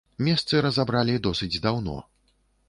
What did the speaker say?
Месцы разабралі досыць даўно.